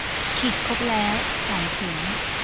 ฉีดครบแล้ว สองเข็ม